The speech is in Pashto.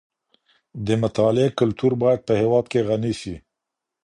د مطالعې کلتور باید په هېواد کي غني سي.